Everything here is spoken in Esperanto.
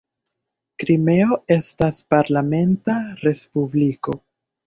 Krimeo estas parlamenta respubliko.